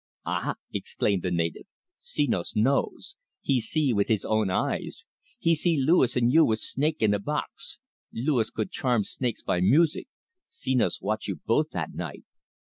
"Ah!" exclaimed the native. "Senos knows he see with his own eyes. He see Luis and you with snake in a box. Luis could charm snakes by music. Senos watch you both that night!"